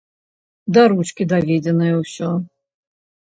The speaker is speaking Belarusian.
Да ручкі даведзенае ўсё.